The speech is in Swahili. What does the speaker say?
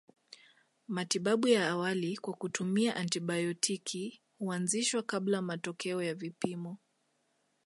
Matibabu ya awali kwa kutumia antibayotiki huanzishwa kabla matokeo ya vipimo